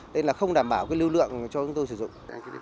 nên là không đảm bảo lưu lượng cho chúng tôi sử dụng